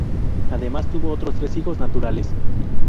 Además tuvo otros tres hijos naturales.